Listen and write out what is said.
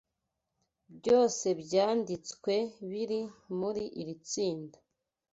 byose byanditswe biri muri iri tsinda